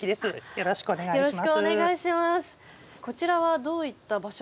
よろしくお願いします。